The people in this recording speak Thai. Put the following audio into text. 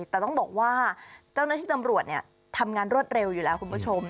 แต่ต้องบอกว่าเจ้าหน้าที่ตำรวจทำงานรวดเร็วอยู่แล้วคุณผู้ชม